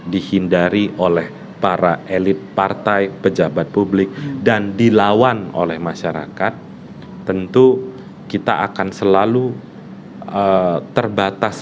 dihindari oleh para elit partai pejabat publik dan dilawan oleh masyarakat tentu kita akan selalu terbatas